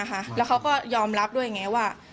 มาค่ะแล้วเขาก็ยอมรับด้วยว่า